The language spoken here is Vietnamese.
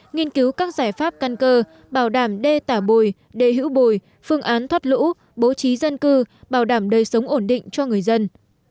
nghiên cứu các giải pháp căn cơ bảo đảm đê tả bùi đê hữu bùi phương án thoát lũ bố trí dân cư bảo đảm đời sống ổn định cho người dân